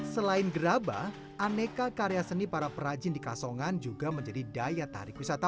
selain gerabah aneka karya seni para perajin di kasongan juga menjadi daya tarik wisata